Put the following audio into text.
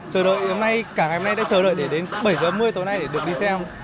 cả ngày hôm nay đã chờ đợi đến bảy h năm mươi tối nay để được đi xem